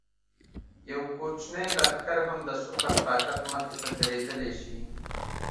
یو کوچنی لښکر هم د سوپر طاقت مخې ته درېدلی شي.